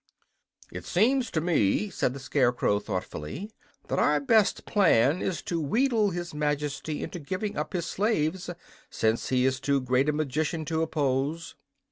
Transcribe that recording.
"It seems to me," said the Scarecrow, thoughtfully, "that our best plan is to wheedle his Majesty into giving up his slaves, since he is too great a magician to oppose."